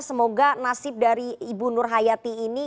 semoga nasib dari ibu nur hayati ini